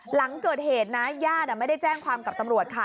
หลังเกิดเหตุนะญาติไม่ได้แจ้งความกับตำรวจค่ะ